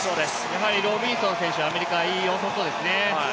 やはりロビンソン選手、アメリカ、よさそうですね。